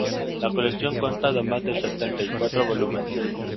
La colección consta de más de setenta y cuatro volúmenes.